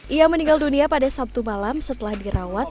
ia meninggal dunia pada sabtu malam setelah dirawat